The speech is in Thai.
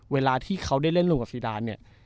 เวลาที่เขาได้เล่นร่วมกับสีดำเนี่ย